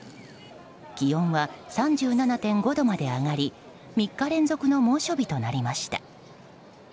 気温は３７．５度まで上がり３日連続の猛暑日となりました。